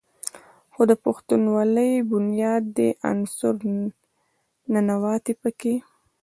خو د پښتونولۍ بنيادي عنصر "ننواتې" پکښې